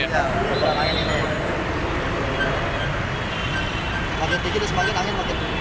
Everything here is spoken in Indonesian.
iya untuk angin